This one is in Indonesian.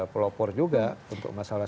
pelopor juga untuk masalah